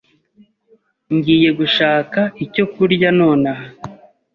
Ngiye gushaka icyo kurya nonaha.